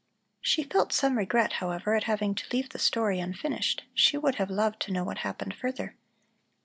She felt some regret, however, at having to leave the story unfinished; she would have loved to know what happened further.